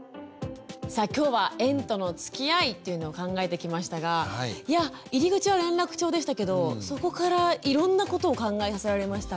さあ今日は「園とのつきあい」というのを考えてきましたがいや入り口は連絡帳でしたけどそこからいろんなことを考えさせられましたね。